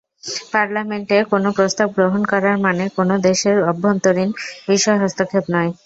পার্লামেন্টে কোনো প্রস্তাব গ্রহণ করার মানে কোনো দেশের অভ্যন্তরীণ বিষয়ে হস্তক্ষেপ নয়।